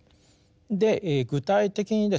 で具体的にですね